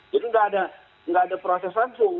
jadi tidak ada proses langsung